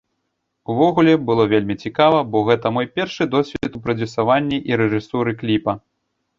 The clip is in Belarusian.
Увогуле, было вельмі цікава, бо гэта мой першы досвед у прадзюсаванні і рэжысуры кліпа.